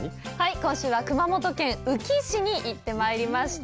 今週は熊本県宇城市に行ってまいりました。